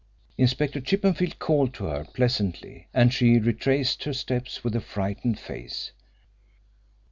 Inspector Chippenfield called to her pleasantly, and she retraced her steps with a frightened face.